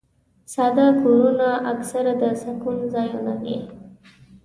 ساده کورونه اکثره د سکون ځایونه وي.